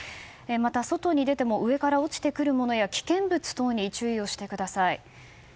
また、外に出ても上から落ちてくるものや危険物等に注意してください。